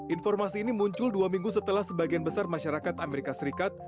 informasi ini muncul dua minggu setelah sebagian besar masyarakat amerika serikat